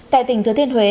tại tỉnh thứ thiên huế